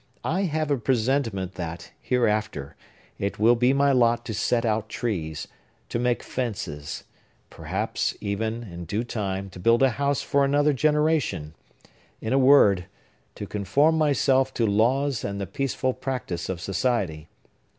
I have a presentiment that, hereafter, it will be my lot to set out trees, to make fences,—perhaps, even, in due time, to build a house for another generation,—in a word, to conform myself to laws and the peaceful practice of society.